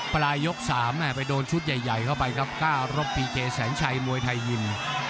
ปลายยก๓ไปโดนชุดใหญ่เข้าไปครับกล้ารบพีเจแสนชัยมวยไทยยิม